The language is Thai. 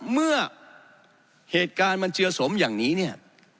เมื่อเหตุการณ์มันเจือสมอย่างนี้เนี่ย